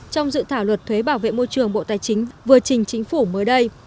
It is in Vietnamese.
trong dự thảo luật thuế bảo vệ môi trường bộ tài chính vừa trình chính phủ mới đây